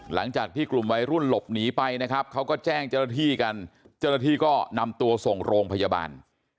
หลังจากที่กลุ่มวัยรุ่นหลบหนีไปนะครับเขาก็แจ้งเจ้าหน้าที่กันเจ้าหน้าที่ก็นำตัวส่งโรงพยาบาล